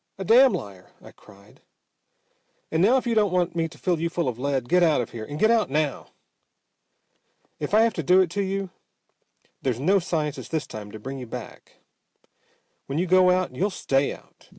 A damn liar!" I cried. "And now, if you don't want me to fill you full of lead, get out of here and get out now! If I have to do it to you, there's no scientist this time to bring you back. When you go out you'll stay out!"